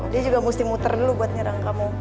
dia juga mesti muter dulu buat nyerang kamu